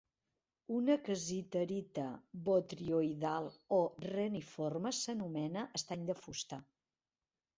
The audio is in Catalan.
Una cassiterita botrioidal o reniforme s'anomena "estany de fusta".